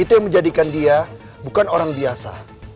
itu yang menjadikan dia bukan orang biasa